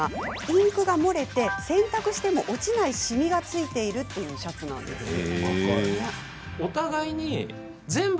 インクが漏れて洗濯しても落ちないしみがついているというシャツなのですが。